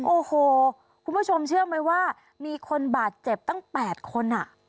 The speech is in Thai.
โอ้โหคุณผู้ชมเชื่อไหมว่ามีคนบาดเจ็บตั้ง๘คน